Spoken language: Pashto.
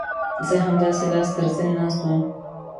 زه همداسې لاس تر زنې ناست وم.